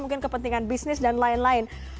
mungkin kepentingan bisnis dan lain lain